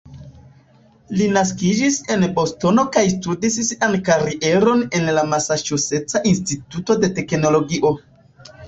Li naskiĝis en Bostono kaj studis sian karieron en la Masaĉuseca Instituto de Teknologio.